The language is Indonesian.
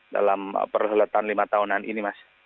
dalam perhelatan lima tahunan ini mas